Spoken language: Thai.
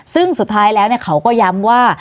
ซึ่งสุดท้ายแล้วเขาก็ย้ำว่า